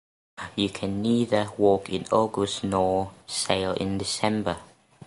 You can neither walk in August nor sail in December.